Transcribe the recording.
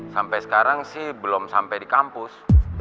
sampai sekarang sih belum sampai di kampus